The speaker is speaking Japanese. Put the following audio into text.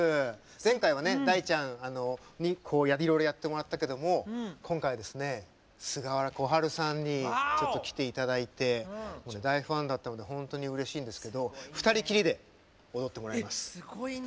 前回は大ちゃんにいろいろやってもらったけど今回は、菅原小春さんに来ていただいて大ファンだったので本当にうれしいんですけど２人きりで踊ってもらいます。